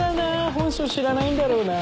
本性知らないんだろうな。